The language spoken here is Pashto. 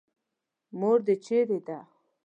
مور دې چېرې ده.